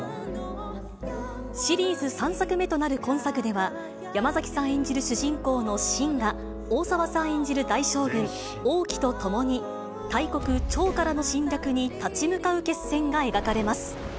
シリーズ３作目となる今作では、山崎さん演じる主人公の信が、大沢さん演じる大将軍、王騎と共に、大国、趙からの侵略に立ち向かう決戦が描かれます。